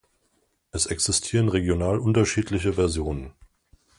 Es existieren regional unterschiedliche Versionen.